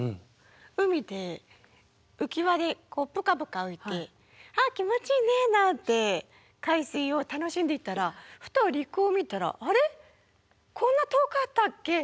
海でうきわでプカプカ浮いて「あ気持ちいいね」なんて海水を楽しんでいたらふと陸を見たら「あれ？こんな遠かったっけ？」みたいな。